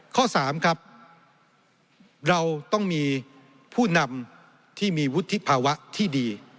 ข้อ๓ครับเราต้องมีผู้นำที่มีวุฒิภาวะที่ดี